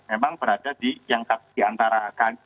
memang berada di antara